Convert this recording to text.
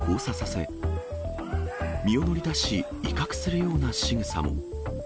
男はその手を交差させ、身を乗り出し、威嚇するようなしぐさも。